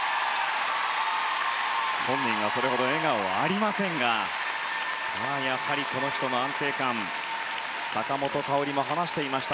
本人はそれほど笑顔はありませんがやはりこの人の安定感坂本花織も話していました。